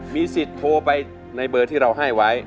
มีสิทธิ์โทรไปในเบอร์ที่เราให้ไว้